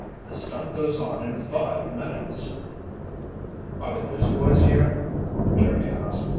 The stunt goes on in five minutes." "Are the newsboys here?" Jerry asked.